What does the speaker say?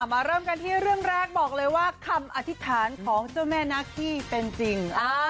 เริ่มกันที่เรื่องแรกบอกเลยว่าคำอธิษฐานของเจ้าแม่นาคี้เป็นจริง